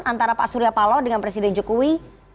antara pak surya palowo dan presiden jokowi